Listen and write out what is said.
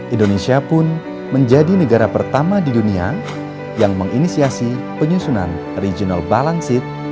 indonesia pun menjadi negara pertama di dunia yang menginisiasi penyusunan regional balancet